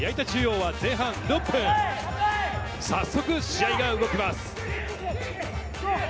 中央は前半６分、早速試合が動きます。